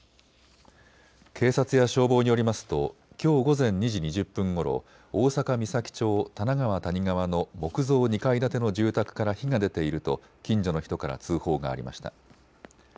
警察や消防によりますときょう午前２時２０分ごろ、大阪岬町多奈川谷川の木造２階建ての住宅から火が出ていると近所の人から通報がありました。